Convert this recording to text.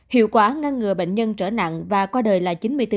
hiệu quả ngăn ngừa bệnh nhân trở nặng và qua đời là chín mươi bốn